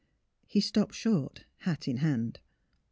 He stopped short, hat in hand.